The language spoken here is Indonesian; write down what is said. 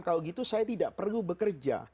kalau gitu saya tidak perlu bekerja